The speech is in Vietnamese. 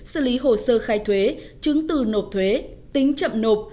xử lý hồ sơ khai thuế chứng từ nộp thuế tính chậm nộp